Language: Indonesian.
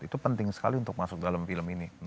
itu penting sekali untuk masuk dalam film ini